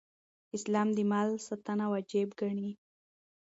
اسلام د مال ساتنه واجب ګڼي